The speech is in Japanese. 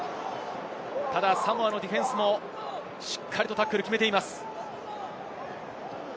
サモアのディフェンスもしっかりとタックルを決めています。